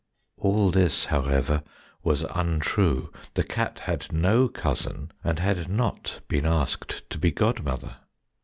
All this, however, was untrue; the cat had no cousin, and had not been asked to be godmother.